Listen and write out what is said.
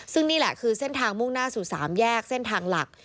ซึ่งนี่แหละคือเส้นทางมุ่งหน้าสู่๓แยกเส้นทางหลัก